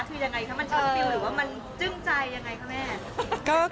คือยังไงคะมันชวนฟิลหรือว่ามันจึ้งใจยังไงคะแม่